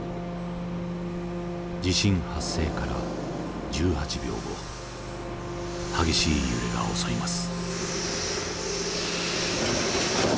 地震発生から１８秒後激しい揺れが襲います。